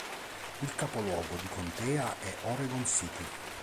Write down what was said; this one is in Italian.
Il capoluogo di contea è Oregon City.